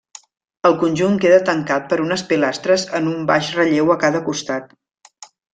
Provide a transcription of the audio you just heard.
El conjunt queda tancat per unes pilastres en un baix relleu a cada costat.